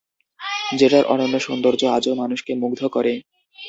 যেটার অনন্য সৌন্দর্য আজও মানুষকে মুগ্ধ করে।